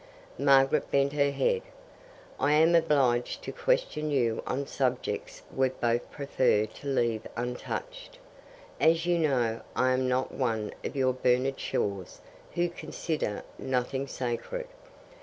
Margaret bent her head. "I am obliged to question you on subjects we'd both prefer to leave untouched. As you know, I am not one of your Bernard Shaws who consider nothing sacred.